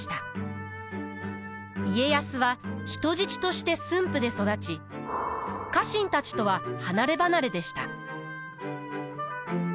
家康は人質として駿府で育ち家臣たちとは離れ離れでした。